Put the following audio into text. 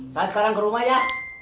saya sekarang ke rumah ya